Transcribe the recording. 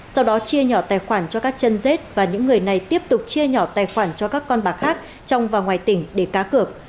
sau đó chia nhỏ tài khoản cho các chân dết và những người này tiếp tục chia nhỏ tài khoản cho các con bạc khác trong và ngoài tỉnh để cá cược